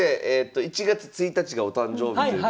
１月１日がお誕生日ということで。